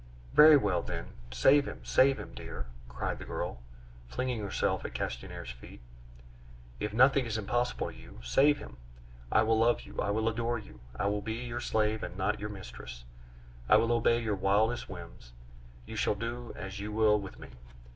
"Very well then, save him, save him, dear!" cried the girl, flinging herself at Castanier's feet. "If nothing is impossible to you, save him! I will love you, I will adore you, I will be your slave and not your mistress. I will obey your wildest whims; you shall do as you will with me.